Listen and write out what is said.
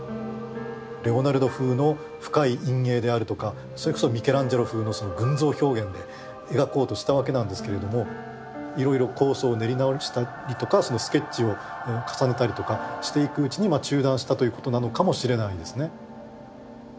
レオナルド風の深い陰影であるとかそれこそミケランジェロ風の群像表現で描こうとしたわけなんですけどもいろいろ構想を練り直したりとかスケッチを重ねたりとかしていくうちに中断したということなのかもしれないですね。